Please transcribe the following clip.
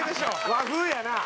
和風やな。